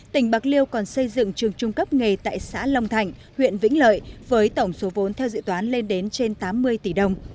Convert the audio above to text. tỉnh bạc liêu còn xây dựng trường trung cấp nghề tại xã long thạnh huyện vĩnh lợi với tổng số vốn theo dự toán lên đến trên tám mươi tỷ đồng